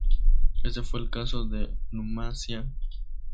Este fue el caso de Numancia.